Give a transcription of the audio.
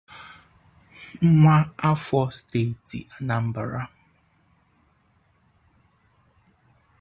nwa afọ steeti Anambra